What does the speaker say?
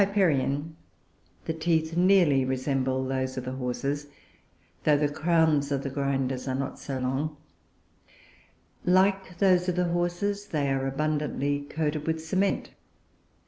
] In the Hipparion, the teeth nearly resemble those of the Horses, though the crowns of the grinders are not so long; like those of the Horses, they are abundantly coated with cement.